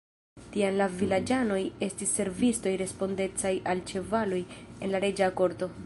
Tiam la vilaĝanoj estis servistoj respondecaj al ĉevaloj en la reĝa korto.